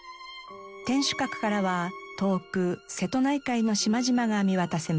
天守閣からは遠く瀬戸内海の島々が見渡せます。